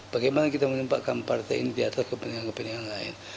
bagaimana kita menempatkan partai ini di atas kepentingan kepentingan lain